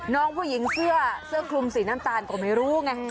น้องผู้หญิงเสื้อคลุมสีน้ำตาลก็ไม่รู้ไง